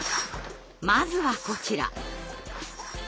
まずはこちら。